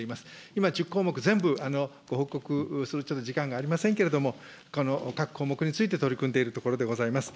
今、１０項目全部ご報告すると時間がありませんけれども、この各項目について取り組んでいるところでございます。